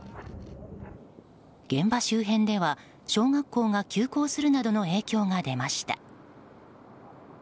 現場周辺では、小学校が休校するなどの影響が出ました。